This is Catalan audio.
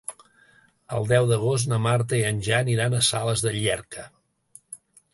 El deu d'agost na Marta i en Jan iran a Sales de Llierca.